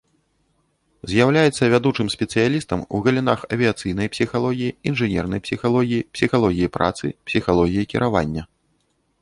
З'яўляецца вядучым спецыялістам у галінах авіяцыйнай псіхалогіі, інжынернай псіхалогіі і псіхалогіі працы, псіхалогіі кіравання.